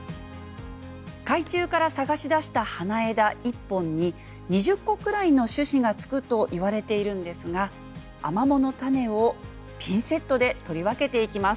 海中から探し出した花枝１本に２０個くらいの種子がつくといわれているんですがアマモの種をピンセットで取り分けていきます。